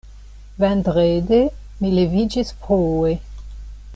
Vendrede mi leviĝis frue.